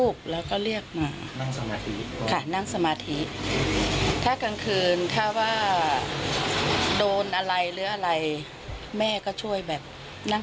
มวยบ้างอะไรบ้างเอ๊ะอะไรอ่ะสี่สี่สี่อะไรพวกนั้นอ่ะ